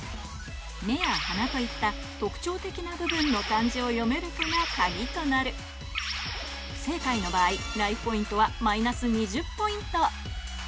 目や鼻といった特徴的な部分の漢字を読めるかがカギとなる不正解の場合ライフポイントはマイナス２０ポイント